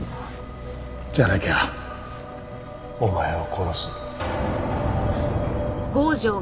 じゃなきゃお前を殺す。